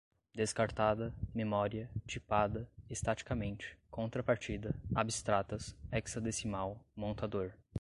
descartada, memória, tipada, estaticamente, contrapartida, abstratas, hexadecimal, montador